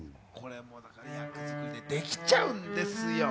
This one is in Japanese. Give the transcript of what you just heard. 役作りでできちゃうんですよ。